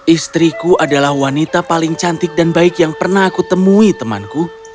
istriku adalah wanita paling cantik dan baik yang pernah aku temui temanku